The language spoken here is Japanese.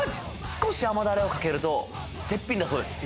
少し甘だれをかけると絶品だそうです